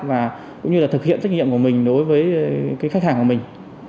và cũng như là thực hiện trách nhiệm của mình đối với cái khách hàng của mình